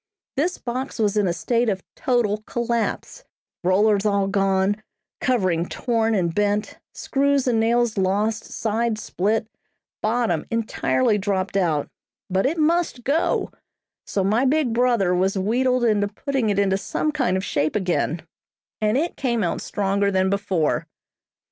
This box was in a state of total collapse; rollers all gone, covering torn and bent, screws and nails lost, sides split, bottom entirely dropped out, but it must go; so my big brother was wheedled into putting it into some kind of shape again, and it came out stronger than before.